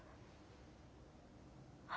あ。